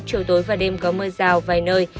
trời tối và đêm có mưa rào vài nơi